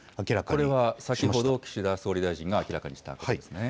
これは先ほど岸田総理大臣が明らかにしたことですね。